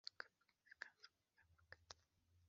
bibagirwa ko urwa gasabo